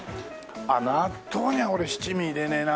あっ納豆には俺七味入れねえな。